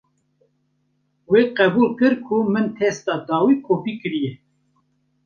Wê qebûl kir ku min testa dawî kopî kiriye.